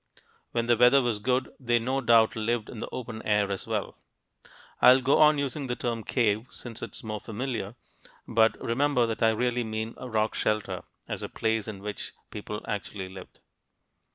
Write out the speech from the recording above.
When the weather was good, they no doubt lived in the open air as well. I'll go on using the term "cave" since it's more familiar, but remember that I really mean rock shelter, as a place in which people actually lived.